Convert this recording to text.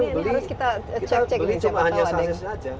beli cuma hanya sahsia saja